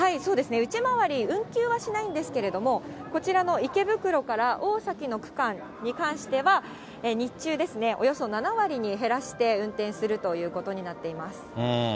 内回り、運休はしないんですけど、こちらの池袋から大崎の区間に関しては、日中ですね、およそ７割に減らして運転するということになっています。